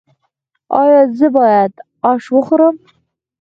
ایا زه باید اش وخورم؟